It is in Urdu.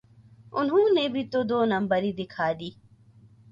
انہوں نے بھی دو نمبری دکھا دی۔